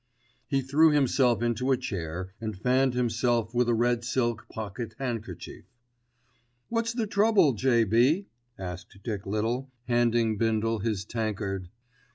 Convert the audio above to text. He threw himself into a chair and fanned himself with a red silk pocket handkerchief. "What's the trouble, J.B.?" asked Dick Little, handing Bindle his tankard.